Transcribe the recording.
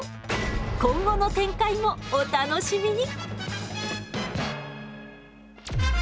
今後の展開もお楽しみに！